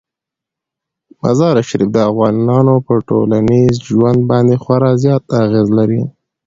مزارشریف د افغانانو په ټولنیز ژوند باندې خورا زیات اغېز لري.